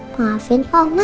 maafin pak ma